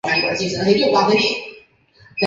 滇木姜子为樟科木姜子属下的一个种。